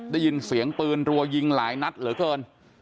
ได้ยินเสียงปืนรัวยิงหลายนัดเหลือเกิน